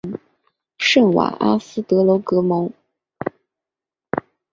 圣瓦阿斯德隆格蒙。